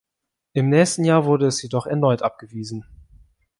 Im nächsten Jahr wurde es jedoch erneut abgewiesen.